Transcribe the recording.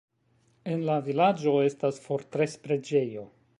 En la vilaĝo estas fortres-preĝejo.